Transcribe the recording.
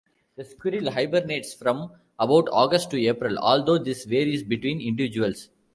The squirrel hibernates from about August to April, although this varies between individuals.